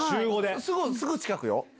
すぐ近くよ。